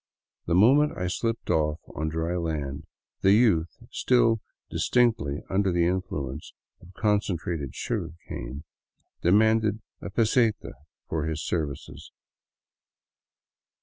The moment I slipped off on dry land, the youth, still distinctly under the influence of concentrated sugar cane, demanded a "peseta" for his services.